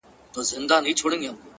• ابليس وركړله پر مخ څپېړه كلكه ,